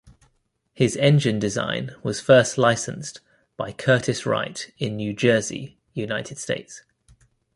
His engine design was first licensed by Curtiss-Wright in New Jersey, United States.